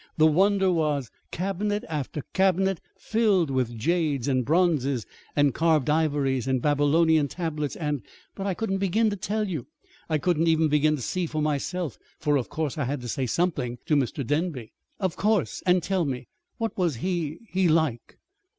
The wonder was cabinet after cabinet filled with jades and bronzes and carved ivories and Babylonian tablets and But I couldn't begin to tell you! I couldn't even begin to see for myself, for, of course, I had to say something to Mr. Denby." "Of course! And tell me what was he he like?"